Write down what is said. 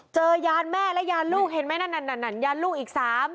เจอยานแม่และยานลูกเห็นไหมนันนันนันนันยานลูกอีก๓